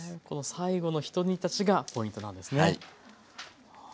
この最後のひと煮立ちがポイントなんですね。